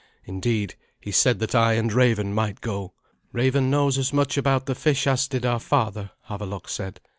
Indeed, he said that I and Raven might go. "Raven knows as much about the fish as did our father," Havelok said.